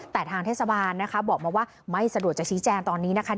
แต่ทางเทศบาลนะคะบอกมาว่าไม่สะดวกจะชี้แจงตอนนี้นะคะ